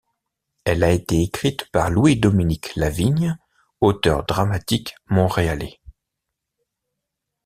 Elle a été écrite par Louis-Dominique Lavigne, auteur dramatique montréalais.